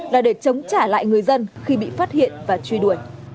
là để chống trả lại người dân khi bị phát hiện và truy đuổi